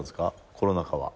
コロナ禍は。